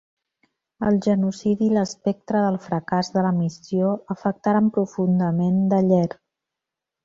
El genocidi i l'espectre del fracàs de la missió afectaren profundament Dallaire.